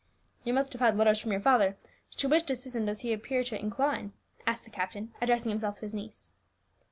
"You must have had letters from your father; to which decision does he appear to incline?" asked the captain, addressing himself to his niece.